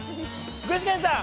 具志堅さん